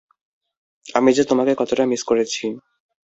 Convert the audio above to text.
আমি যে তোমাকে কতটা মিস করেছি।